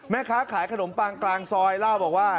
แม่ค้าขายขนมปังกลางซอยเล่าบอกว่า